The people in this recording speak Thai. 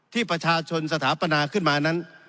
ที่ประชาชนสถาปนาขึ้นมานั้น